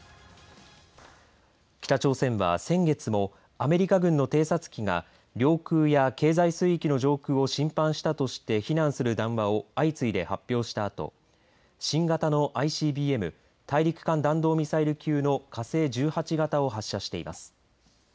北朝鮮は先月もアメリカ軍の偵察機が領空や経済水域の上空を侵犯したとして非難する談話を相次いで発表したあと新型のＩＣＢＭ大陸間弾道ミサイル級の火星１８型を発射しています。